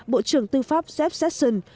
bộ trưởng tư pháp jeff sessions